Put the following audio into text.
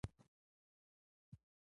د سړک موثر عرض د وسایطو د تګ لپاره دی